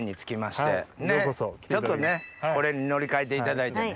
ちょっとこれに乗り換えていただいてね。